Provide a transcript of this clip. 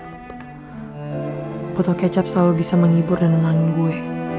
tapi si botol kecap selalu bisa menghibur dan menelanin gue